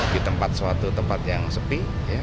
di tempat suatu tempat yang sepi